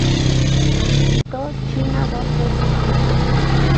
Visitó China dos veces más.